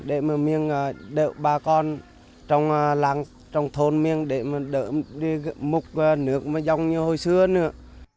để mà mình đỡ bà con trong thôn mình để mà đỡ mục nước giống như hồi xưa nữa